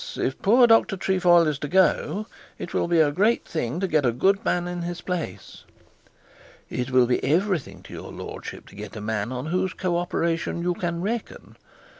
If poor Dr Trefoil is to go, it will be a great thing to get a good man in his place.' 'It will be everything to your lordship to get a man on whose co operation you can reckon.